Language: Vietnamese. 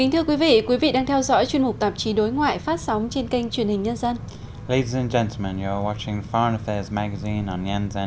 hãy đăng ký kênh để ủng hộ kênh của chúng mình nhé